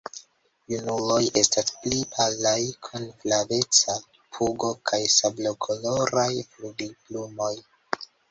Junuloj estas pli palaj, kun flaveca pugo kaj sablokoloraj flugilplumoj.